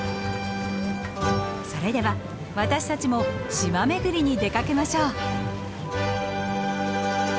それでは私たちも島巡りに出かけましょう。